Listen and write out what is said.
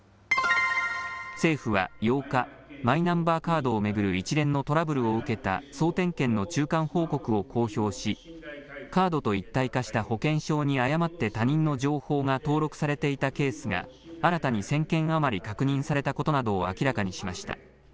政府は８日、マイナンバーカードを巡る一連のトラブルを受けた総点検の中間報告を公表しカードと一体化した保険証に誤って他人の情報が登録されていたケースが新たに１０００件余り確認されたことなどを明らかにしました。